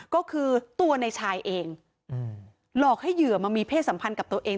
ก็คือตัวในชายเองหลอกให้เหยื่อมามีเพศสัมพันธ์กับตัวเอง